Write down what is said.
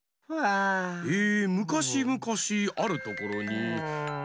「むかしむかしあるところにいかした」。